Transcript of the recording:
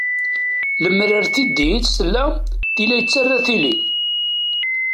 Lemmer ar tiddi i tt-tella, tili ad yettarra tili.